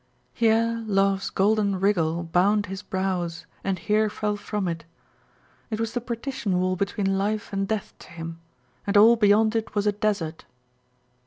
Here love's golden rigol bound his brows, and here fell from it. It was the partition wall between life and death to him, and all beyond it was a desert